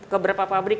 ke berapa pabrik